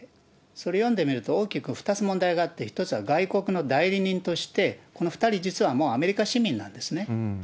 それ読んでみると、大きく２つ問題があって、一つは外国の代理人として、この２人、実はもうアメリカ市民なんですね。